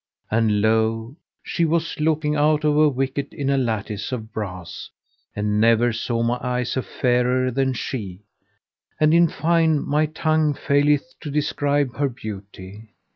And lo! she was looking out of a wicket in a lattice of brass and never saw my eyes a fairer than she, and in fine my tongue faileth to describe her beauty.